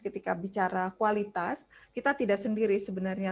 ketika bicara kualitas kita tidak sendiri sebenarnya